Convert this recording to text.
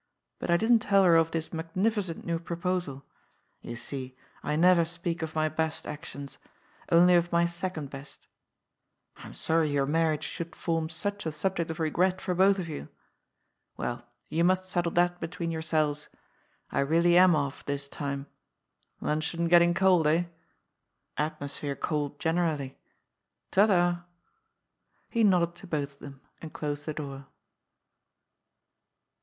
But I didn't tell her of this magnificent new pro posal. You see, I never speak of my best actions. Only of my second best. I am sorry your marriage should form such a subject of regret for both of you. Well, you must settle that between yourselves. I really am off this time. Luncheon getting cold, eh ? Atmosphere cold, generally. Ta ta." He nodded to both of them, and closed the door.